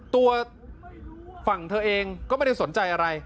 ตัวฝั่งเธอเองก็ไม่ได้สนใจอะไร